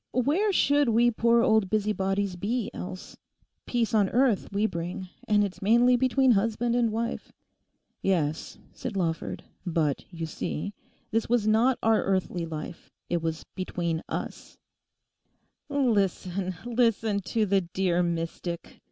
Where should we poor old busybodies be else. Peace on earth we bring, and it's mainly between husband and wife.' 'Yes,' said Lawford, 'but you see, this was not our earthly life. It was between us.' 'Listen, listen to the dear mystic!